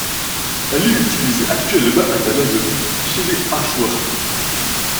Elle est utilisée actuellement en Amazonie chez les Achuar.